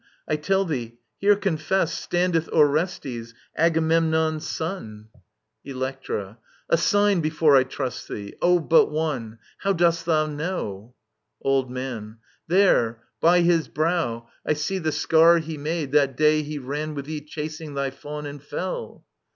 I tell thee, here confessed Standeth Orestes, Agamemnon's son I Electra. A sign before I trust thee ! O, but one I How dost thou know •••? Digitized by VjOOQIC 36 EURIPIDES Old Man. There, by his brow, I see The scar he made, that day he ran with thee Chasing thy fawn, and fell.